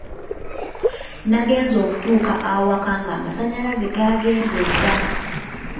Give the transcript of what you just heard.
Nagenze okutuuka awaka ng’amasannyalaze gaagenze dda.